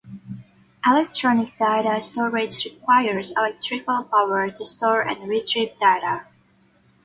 Electronic data storage requires electrical power to store and retrieve data.